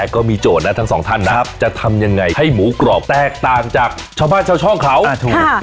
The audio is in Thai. ก็มีโจทย์นะทั้งสองท่านนะจะทำยังไงให้หมูกรอบแตกต่างจากชาวบ้านชาวค